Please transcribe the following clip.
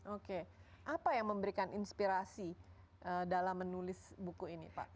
oke apa yang memberikan inspirasi dalam menulis buku ini pak